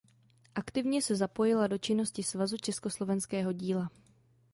Aktivně se zapojila do činnosti Svazu československého díla.